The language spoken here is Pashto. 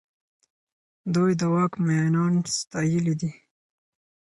دوی د واک مينان ستايلي دي.